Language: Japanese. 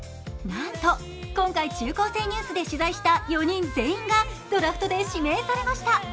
なんと、今回「中高生ニュース」で取材した４人全員がドラフトで指名されました。